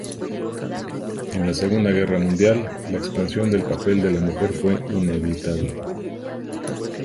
En la Segunda Guerra Mundial, la expansión del papel de la mujer fue inevitable.